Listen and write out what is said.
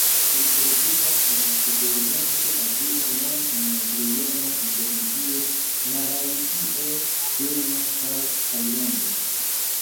Ili troviĝas en Sudorienta Azio nome en Brunejo, Indonezio, Malajzio, Birmo kaj Tajlando.